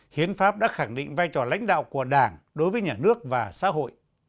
hiến pháp đã khẳng định vai trò lãnh đạo của đảng đối với nhà nước và xã hội